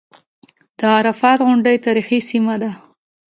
د عرفات غونډۍ تاریخي سیمه ده.